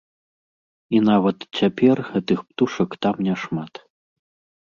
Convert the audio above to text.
І нават цяпер гэтых птушак там няшмат.